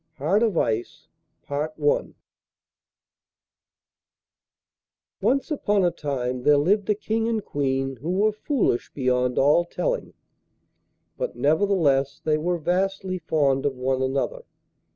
HEART OF ICE Once upon a time there lived a King and Queen who were foolish beyond all telling, but nevertheless they were vastly fond of one another.